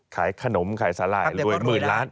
ขายขนมขายสลายรวยหมื่นล้าน